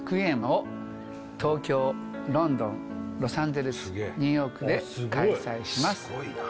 ’を東京ロンドンロサンゼルスニューヨークで開催します